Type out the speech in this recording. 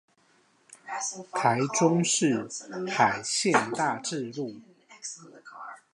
台中市海線大智路